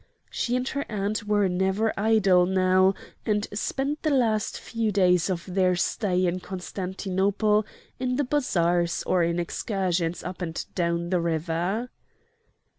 She and her aunt were never idle now, and spent the last few days of their stay in Constantinople in the bazars or in excursions up and down the river.